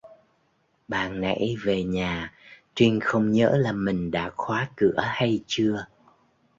Ban nãy về nhà trinh không nhớ là mình đã khóa cửa hay chưa